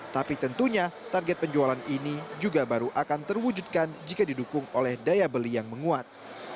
tapi tentunya target penjualan ini juga baru akan terwujudkan jika didukung oleh daya beli yang menguat